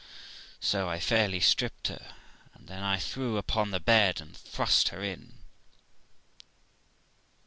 So I fairly stripped her, and then I threw open the bed and thrust her in.